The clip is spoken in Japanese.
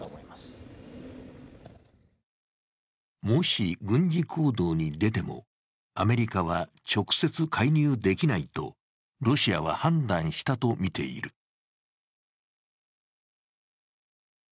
もし軍事行動に出ても、アメリカは直接介入できないとロシアは判断したと見ている。